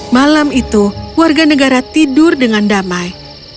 malam itu warga negara tidur dengan damai